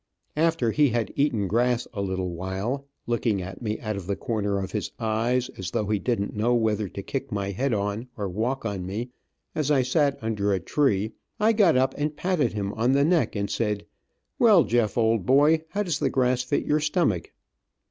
After he had eaten grass a little while, looking at me out of the corner of his eyes as though he didn't know whether to kick my head on, or walk on me, as I sat under a tree, I got up and patted him on the neck and said, "Well, Jeff, old boy, how does the grass fit your stomach?"